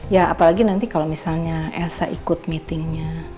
ya apalagi nanti kalau misalnya elsa ikut meetingnya